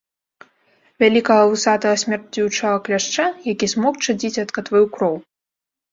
Вялікага вусатага смярдзючага кляшча, які смокча, дзіцятка, тваю кроў.